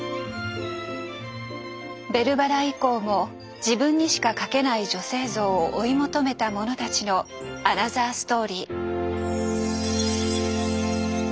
「ベルばら」以降も自分にしか描けない女性像を追い求めた者たちのアナザーストーリー。